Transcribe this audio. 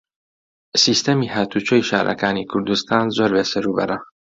سیستەمی هاتوچۆی شارەکانی کوردستان زۆر بێسەروبەرە.